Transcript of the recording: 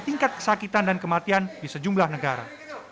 tingkat kesakitan dan kematian di sejumlah negara